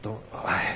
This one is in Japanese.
はい。